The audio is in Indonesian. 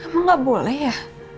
emang gak boleh ya